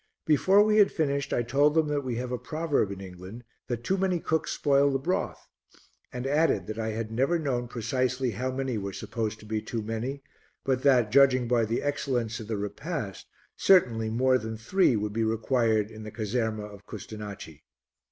Before we had finished I told them that we have a proverb in England that too many cooks spoil the broth, and added that I had never known precisely how many were supposed to be too many, but that, judging by the excellence of the repast, certainly more than three would be required in the caserma of Custonaci.